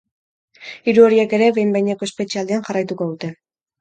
Hiru horiek ere behin-behineko espetxealdian jarraituko dute.